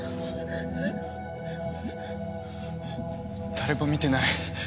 誰も見てない。